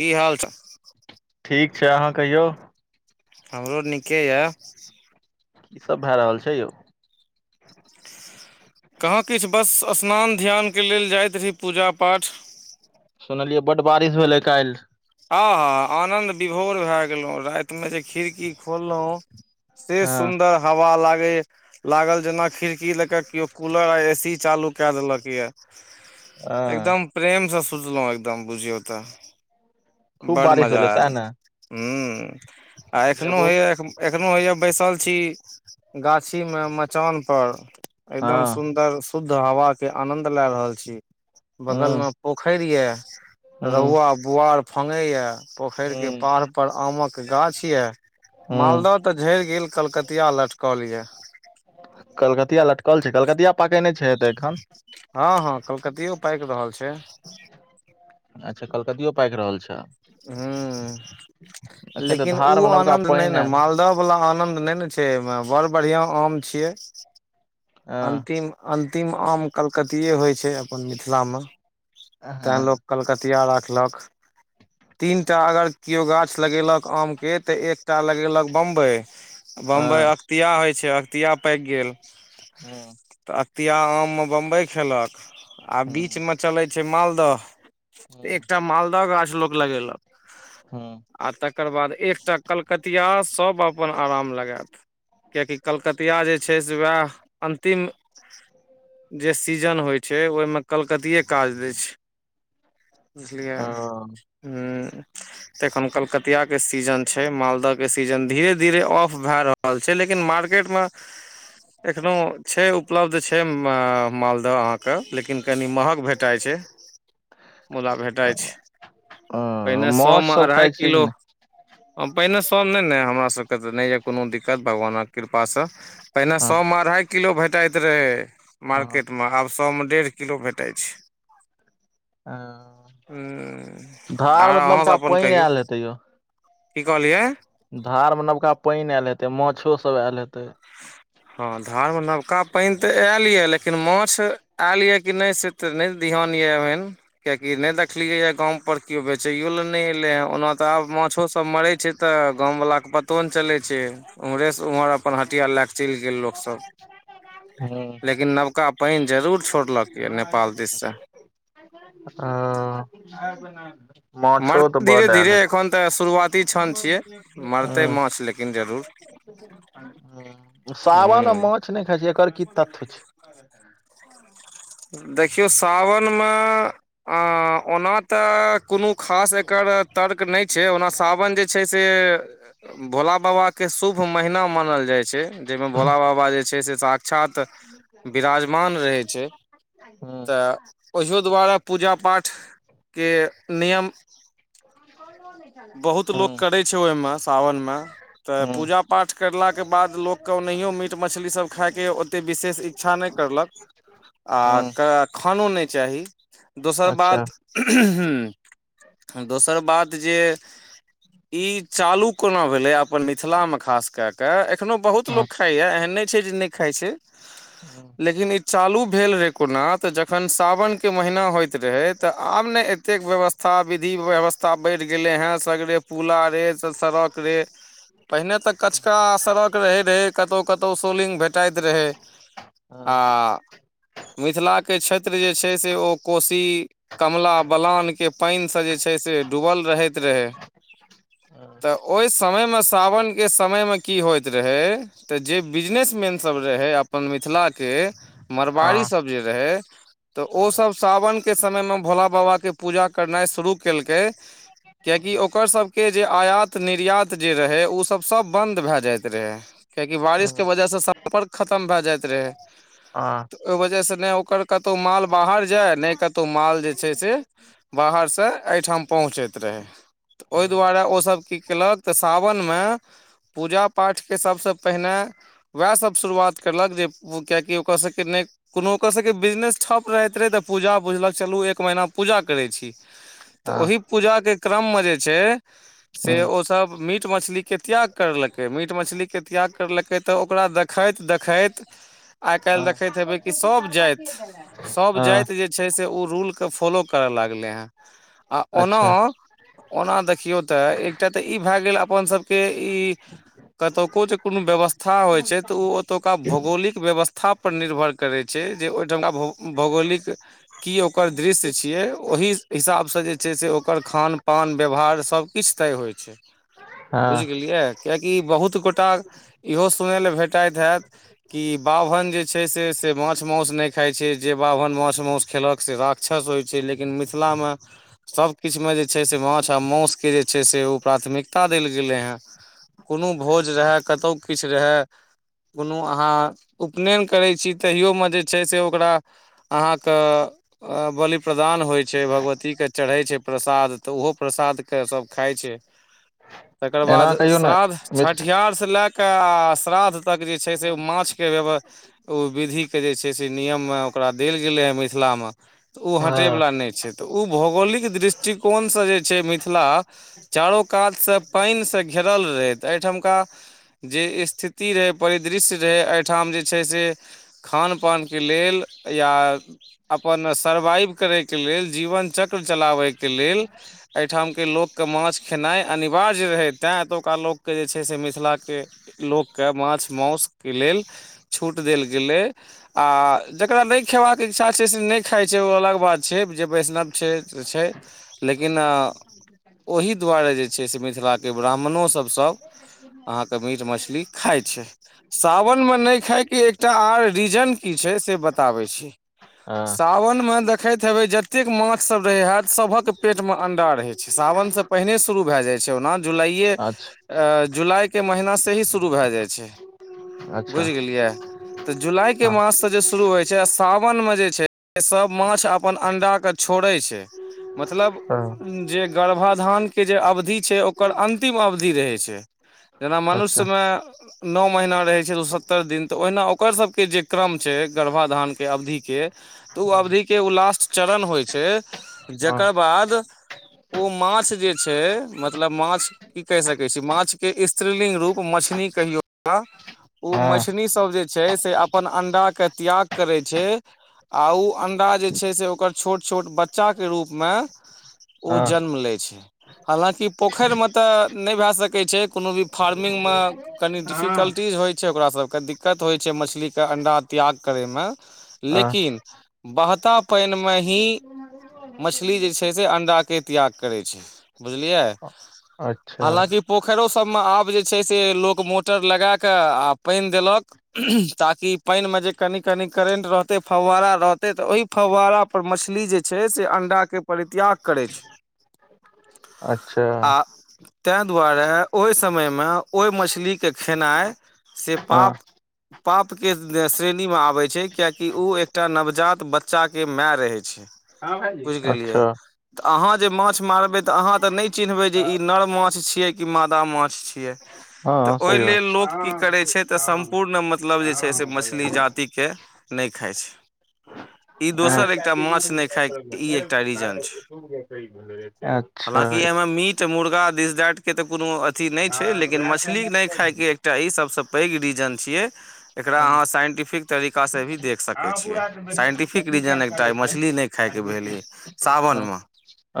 की हाल च ठीक छै अहाँ कहियौ हमरो नीके ये की सब भए रहल छै यौ कहाँ किछु बस स्नान ध्यानके लेल जाइत रही पूजा पाठ सुनलियै बड बारिश भेलै काल्हि आ हँ आनन्द विभोर भए गेलहुँ रातिमे जे खिड़की खोललहुँ से हँ सुन्दर हवा लागे लागल जेना खिड़की ले के के कूलर आ ए सी चालू के देलक ये हँ एकदम प्रेमसँ सुतलहुँ एकदम बुझियौ तऽ खूब बड बारिश मजा भेलै आयल सएह ने हँ आ एखनो भेबो होइए एखनो हइया बैसल छी गाछी मे मचान पर हँ एकदम सुंदर शुद्ध हवा के आनंद लय रहल छी बगल हूं मे पोखरि यऽ हूं रहुआ बुआर फगै यए। पोखर के हूं पाड़ पर आमक गाछ ये हूं मालदह तऽ झड़ि गेल कलकतिया लटकल यऽ कलकतिया लटकल छै। कलकतिया पाकय नय छै तऽ एखन हँ हँ कलकतियो पाकि रहल छै अच्छा कलकतियो पाकि रहल छ ह एखन तऽ लेकिन ओ धार मे नवका आनन्द नहि पानि ने आयल मालदह वाला आनंद नै ने छै एहि में बड़ बढ़िया आम छीये हँ अन्तिम अन्तिम आम कलकतिए होइ छै। अपन मिथिलामे तैँ हँ लोक कलकतिया राखलक तीनटा अगर केओ गाछ लगेलक आम के के तऽ एकटा लगेलक। बम्बइ-बम्बइ हँ अख्तिया होइत छै, अख्तिया पाकि गेल। हँ तऽ अतिया आममे बम्बइ खेलक आ हूं बीचमे चलै छै मालदह तऽ हूं एकटा मालदह गाछ लोक लगेलक हूं आ तकर बाद एकटा कलकतिया सब अपन आराम लगायत किएकि कलकतिया जे अछि, से उएह अन्तिम अछि। जे सीजन होइ छै ओहिमे कलकतिए काज दै छै बुझलियै ह तखन कलकतिआ के स् सीजन छै मालदाह के सीजन धीरे धीरे ऑफ भए रहल छै लेकिन मार्केट मे एखनो छै उपलब्ध छै मालदह अहाँ के लेकिन कनि महग भेटाय छै मुदा भेटय ओ छै पहिने सौ माछ मे सब खाइ अढ़ाई छियै कि किलो नहि पहिने सभ नहि ने हमर सभभके तऽ नहि यए कोनो दिक्कत भगवानक कृपासँ पहिने हँ सएमे अढ़ाइ किलो भेटैत रहै, हँ मार्केटमे आब सएमे डेढ़ किलो भेटैत छै। हम आ धार मे तऽ अहाँसभ नबका अपन पानि कहियौ। आयल हेतै यौ की कहलियए धार मे नबका पानि आयल हेते माछो सब आयल हेतै हँ धारमे नबका पानि तऽ आयल यऽ लेकिन माछ आयल यऽ कि नहि से तऽ नहि ध्यान यऽभेन कियाकि नहि देखलियैय गांव पर केओ बेचैयो लए नहि एलै हन ओना तऽ आब माछोसभ मरैत छै तऽ गांव वलाके पतो नहि चलै छै उम्हरे से उम्हर अपन हटिया लए कऽ चलि गेल लोकसभ हँ लेकिन नबका पानि जरूर छोड़लक ये नेपाल दिस से हं मर धीरे-धीरे एखन। त शुरुआती क्षण छियै मरतै हूँ मांछ लेकिन जरुर सावन आ माछ नहि खाइ छै एकर की तथ्य छै देखियौ, सावनमे ओना तऽ। कोनो खास एकर तर्क नहि छै ओना सावन जे छै से भोला बाबा के शुभ महिना मानल जाइ छै जाहिमे भोला बाबा जे छै से साक्षात विराजमान रहै छै [inaudible] हूँ तऽ ओझो द्वारा पूजा पाठ के नियम कोनो नै बहुत लोक करैत छै। ओहिमे सावनमे तऽ हूँ पूजा-पाठ करलाक बाद लोक। कोहनैयो मीट मछली सब खायके ओतेक विशेष इच्छा नहि करलक हूँ आ खानो नहि चाही दोसर अच्छा बात [unintelligible] दोसर बात जे ई चालू कोना भेलय अपन मिथिला मे खास क केऽ एखनो बहुत हँ लोक खाइए। एहन नहि छै जे नहि खाइ छै। हँ लेकिन इ चालू भेल रहे कोना त जखन सावन के महीना होयत रहे तऽ आब ने एतेक व्यवस्था विधि व्यवस्था बढ़ि गेले हे सगरे पुला रे स सड़क रे। पहिने तऽ हँ हँ कचका सड़क रहैत रहै कतहु कतहु सोलिंग भेटाइत रहै आ मिथिला के क्षेत्र जे छै, से ओ कोशी कमला-बलान के। पानिसँ जे छै से डूबल रहैत रहै ह तऽ ओहि समयमे सावनके समयमे की होइत रहै तऽ जे बिजनेस मैन सभ रहै अपन मिथिलाके मरबाड़ी सब जे रहे तऽ ओ सब सावन के समय मे भोला बाबा के पूजा करनाइ शुरू केलकै कियाकि ओ करा सबके जे आयात निर्यात जे रहे ओ सब सब बंद भए जाइत रहै कियाकि बारिश के वजहसँ सम्पर्क खतम भए जाइत रहै तऽ ओहि वजहसँ नहि ओकर कतौ माल बाहर जाय नहि कतौ माल जे छै से बाहरसँ एहिठाम पहुँचैत रहै तऽ ओहि दुआरे ओसभ की कयलक तऽ सावनमे पूजा पाठके सबसँ पहिने उएहसभ शुरुआत करलक जे कियकि ओकर सभके नहि कोनो ओकर सभके बिजनेस ठप रहैत रहै तऽ पूजा बुझलक चलू एक महीना पूजा करैत छी तऽ ओहि पूजा के क्रम मे जे छै से हूँ ओ सब मीट मछली के त्याग करलकै मीट मछलीके त्याग करलकै तऽ ओकरा देखैत देखैत आइ काल्हि देखैत हेबै कि सभ जाति सभ हँ जाति जे छै से ओ रूलके फॉलो करय लागलै हँ आ ओना अच्छा ओना देखियौ तऽ एकटा तऽ ई भए गेल अपन सबके ई क तऽ क कोनो व्यवथा था होइ छै तऽ ओतुका भौगोलिक व्यवस्था पर निर्भर करै छै जे ओहिठामका भौगोलिक की ओकर दृश्य छियै ओहि हिसाबसँ जे छै से ओकर खान पान व्यवहार सबकिछु तय होइ छै बुझि हँ गेलियै किएकि बहुत गोटा इहो सुय लेलए भेटैत हैत कि बाभन जे छै से से माछ मासुस न खाय छै जे बाभन माछ मासस खेलक से राक्षस होय छै [inaudible] जे छै से माछ आ मासुके जे छै से ओ प्राथमिकता देल गेलै हेँ कुनू भोज रहए कतहु किछु रहए कुनू अहाँ उपनयन करैत छी तहियोमे जे छै से ओकरा अहाँके बलि प्रदान होइ छै भगवतीके चढ़ै छै प्रसाद तऽ ओहो प्रसादके सभ खाइ छै तकर बाद एना कहियौ ने श्राद्ध मिथिल छठिहार से लए क आ श्रादध जे छै से माछ के वव्य विधि के जे छै से नियम औकरा देल गेल ह मिथिलामे तऽ ओ हटै हँ वला नहि छै तऽ ओ भौगोलिक दृष्टिक कोन से जे छै मिथिला चारो कात स पैन स घेरल रहे तऽ एहिठामका जे स्थिति रहै परिदृश्य रहै एहिठाम जे छै से खानपानके लेल या अपन सर्वाइव करैके लेल जीवन चक्र चलाबैक के लेल एहिठाम के लोककेँ माछ खेनाइ अनिवार्य रहै तैँ एतुका लोकके जे छै से मिथिलाके लोकके माछ मासुके लेल छूट देल देलै आ जकरा नहि खेबाक के इच्छा छै से नहि खाइ छै ओ अलग बात छै जे वैष्णव छै त छै लेकिन ओहि दुआरे जे छै से मिथिलाके ब्राह्मणो सभ अहाँ तऽ मीट मछली खाइ छै सावनमे नए खायके एकटा आर रीजन की छै से बताबैत छी हँ सावनमे देखैत हेबै जतेक माछसभ रैहात सभक पेटमे अंडा रहै छै सावनसँ पहिने शुरू भए जाइ छै ओना जुलाइए अच्छा जुलाइके महिनासँ ही शुरू भए जाइ छै अच्छा बुझि गेलियै तऽ जुलाई के हँ माससँ जे शुरू होइ छै आ सावनम जे छै से सभ माछ अपन अंडाके छोड़ै छै मतलब अ, जे गर्भधानके जे अवधि छै ओकर अन्तिम अवधि रहै छै जेना अच्छा मनुष्यमे न महीना रहे छै दू सत्तर दिन त ओहिना ओकर सब के जे क्रम छै गर्भाधान के अवधि के तऽ ओ हँ अवधिके ओ लास्ट चरण होइ छै जकर बाद ओ माछ जे छै मतलब माछ की कहि सकैत छी माछ के स्त्रिलिंग रूप मछनी कहियो ओकरा ओ हँ मछनी सब जे छै से अपन अंडा के त्याग करै छै आ उ अंडा जे छै से ओकर छोट छोट बच्चा के के रूपमे ओ जन्म लै छै हालाँकि पोखैरमे तऽ नहि भए सकै छै कोनो भी फार्मिंग मे कनि डिफिकल्टीज होइ छै ओकरा सबके दिक्क दिक्कत होइ छै मछली के अंडा त्याग करैमे हँ लेकिन बहता पएन मे ही मछली जे छै से अंडाके त्याग करै छै बुझलियै अच्छा हालाँकि पोखैरो सब मे आब जे छै से लोक मोटर लगा क आ पानि देलक ताकि पैन मे जे कनि कनि करेंट रहतै फवहारा रहतै तऽ ओहि फवारा पर मछली जे छै से अंडा के परित्याग करै छै अच्छा ताँ दुआरे ओहि समयमे ओहि मछलीके खेनाइ से हँ पाप पापके श्रेणीमे आबै छै कियाकि उ एकटा नवजात बच्चाके मए रहैत छै बुझ गेलियै अच्छा तऽ अहाँ जे माछ मारबै तऽ अहाँ तऽ नहि चिन्हबै जे ई नर माछ छियै कि मादा माछ छियै तऽ हँ ओहि सही बात लेल छै लोक की करै छै तऽ सम्पूर्ण मतलब जे छै से मछली जातिके नहि खााय छै, ई दोसर एकटा माछ नहि खायके ई एकटा रीजन छै [unintelligible] अच्छा हालाँकि एहिमे मीट मुर्गा, दिस-दैट के तऽ कोनो अथी नहि छै लेकिन मछली नहि खायके एकटा ई सबसँ पैघ रीजन छियै एकरा अ, अहाँ साइंटिफिक तरीकासे भी देख सकै छियै। साइंटिफिक रीजन एहि एकटा मछली नहि खाय के [unintelligible]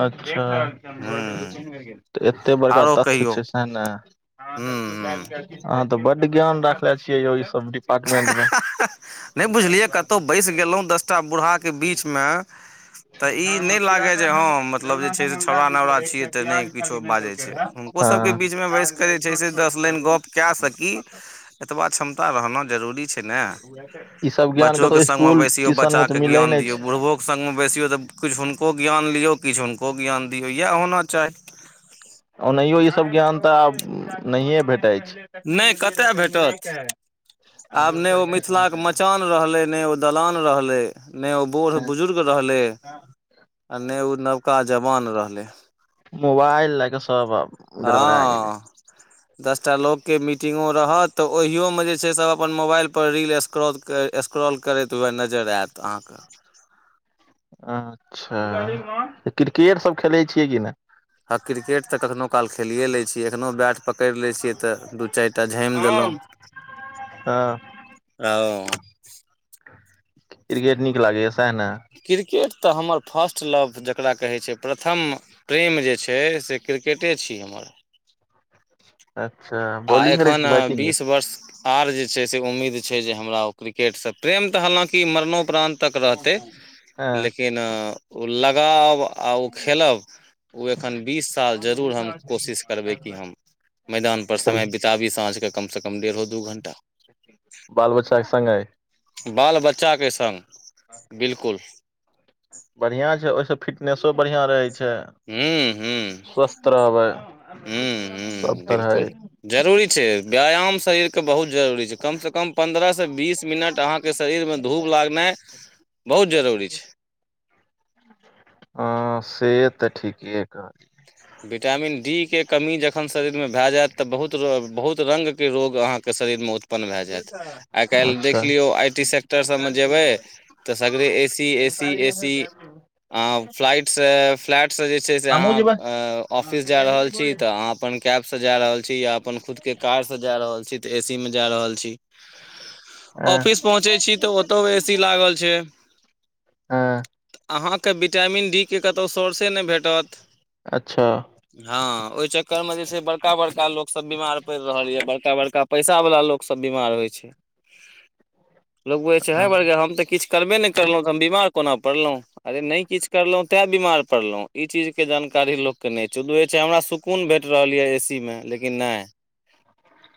अच्छा हूँ तऽ एते बड़का आरो तथ्य कहियौ छै हूँ सैह ने! हूँ तऽ बड्ड ज्ञान राखले छियै यौ ई सब डिपार्टमेंट मे नहि बुझलियै कतहु बैसि गेलहुँ दस टा बूढ़ाके बीचमे तऽ ई नहि लागय जे हँ मतलब जे से छौड़ा-नौड़ा छियै तऽ नहि किछो बाजै छै। ओ सबके हँ बीचमे बैसके जे छै से दस लाइन गप कए सकी एतबा क्षमता रहब जरूरी छै ने, ई सब ज्ञान बच्चोके कतहु संगमे स्कुल बैसियौ ट्यूशन मे तऽ बच्चाे मिलै ज्ञान नहि दियौ छै बुढ़बोे सङ्गमे बैसियौ तऽ कुछ हुनको ज्ञान लियौ किछु हुनको ज्ञान दियौ इएह होना चाही ओनाहियो ई सभ ज्ञान तऽ आब नहिए भेटै छै। तखने नहि गेलियै रह कतय ओते मिला भेटत के आ आब नहि लोड ओ मिथिलाके [unintelligible] मचान रहलै नहि ओ दलान रहलै नहि ओ बूढ़ बुजुर्ग रहलै आ नहि ओ नवका जवान रहलै मोबाइल लऽकऽ सब आब गड़बड़ा गेलै हँ दसटा लोकके मीटिंगो रहत तऽ ओहियो मे जे छै सब अपन मोबाइल पर रील स्क्रॉल स्क्रॉल करैत वएह नजरि आएत अहाँके अच्छाए, क्रिकेट सब खेलैत छियै कि नहि? हँ, क्रिकेट तऽ कखनहु काल खेलिए लैत छी, एखनोहु बैट पकड़ि लै छियै तऽ दू-चारि टा झामि देलहुँ [unintelligible] हँ [unintelligible] क्रिकेट नीक लागैए सएह ने! क्रिकेट त हमर फर्स्ट लव जकरा कहै छै प्रथम प्रेम जे छै से क्रिकेटे छी हमर अच्छा आ बॉलिंग करै एखन छी कि बैटिंग यौ बीस वर्ष आर जे छै से उम्मीद छै जे हमरा ओ क्रिकेटसँ प्रेम तऽ हालाँकि मरणोपराणत तक रहतै हँ लेकिन ओ लगाव आ ओ खेलब ओ एखन बीस साल जरूर हम कोशिश करबै कि हम मैदान पर चलू समय बितबी साँझ कऽ कम सॅं कम डेढ़ो-दू घण्टा बाल बच्चा के संगे बाल बच्चाके संग बिलकुल बढ़िया छै ओहिसँ फिटनेसो बढ़िया रहै छै हूँ हूँ स्वस्थ रहबै हूँ हूँ सब तरहे बिलकुल ई जरूरी छै, व्यायाम शरीरके बहुत जरूरी छै कमसँ कम पन्द्रह सॅं बीस मिनट अहाँके शरीरमे धूप लागनाइ बहुत जरूरी छै। हँ, से त ठीके कहलियै। ह [unintelligible] विटामिन-डी के कमी जखन शरीरमे भए जायत तऽ बहुत, बहुत रो बहुत रंगके रोग अहाँके शरीरमे उत् पन भए जायत आइ काल्हि अच्छा देखलियौ आइ टी सेक्टर सबमे जेबै तऽ सगरे एसी, एसी, एसी अं फ्लाइटसँ फ्लैटसँ जे छै से हमहुँ जेबै अहाँ ऑफिस जा रहल छी तऽ अहाॅं अपन कैब से जा रहल छी या अपन खुदके कार से जा रहल छी त एसीमे जा रहल छी ऑफिस पहुँचे छी तऽ ओतहुॅं एसी हँ लागल छै। हँ अहाँके विटामिन डी के कतौ सोर्से ने भेटत अच्छा हँ ओहि चक्करमे जे छै बड़का बड़का लोकसभ बीमार पड़ि रहल यए बड़का बड़का पैसा बाला लोक सब बीमार होइ छै लोग बोझै छै है हँ बर्गाहि हम त किछ करबे नहि करलहुँ तऽ हम बीमार कोना पड़लहुँ अरे ने किछ करलो ते बीमार पड़लो ई चीज के जान कारी लोक के नहि छै उ बुझे छै हमरा सुकून भेट रहल य ए सी मे लेकिन ने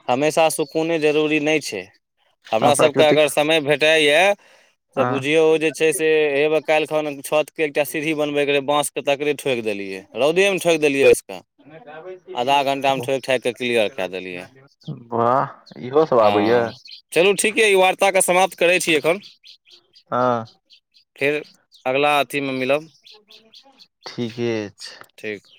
हमेशा सुकूने जरूरी ने छै हमरा सभके प्राकृतिक अगर समय भेटैए तऽ हँ बुझियौ ओ जे छै से हेबे काल्हि खन छत के एकटा सीढ़ी बनबैके रहै बांस के तकड़े ठोकि देलियै रौदेमे ठोकि देलियै बैसक आधा घण्टामे ठोकि ठाकिके क्लियर कैय देलियै वाह इहो सब आबैए हँ चलू ठीक य ई वार्ता के समाप्त करै छी एखन हँ फेर अगला अथीमे मिलब ठीके अछि ठीक